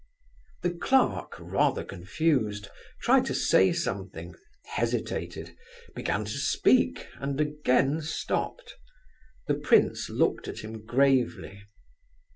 The clerk, rather confused, tried to say something, hesitated, began to speak, and again stopped. The prince looked at him gravely.